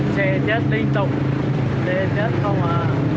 xe chết liên tục xe chết không à